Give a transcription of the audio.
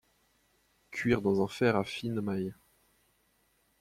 Cuire dans un fer à fines mailles.